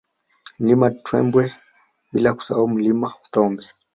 Mlima Tembwe bila kusahau ile Milima ya Thombe